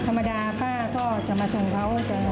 ธรรมดาก็จะมาส่งเขาอยู่แต่หัวดูตอนดาษร้อน